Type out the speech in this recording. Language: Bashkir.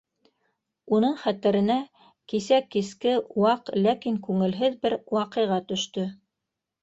Уның хәтеренә кисә киске ваҡ, ләкин күңелһеҙ бер ваҡиға төштө.